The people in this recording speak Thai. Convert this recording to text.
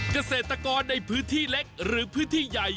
เกษตรกรในพื้นที่เล็กหรือพื้นที่ใหญ่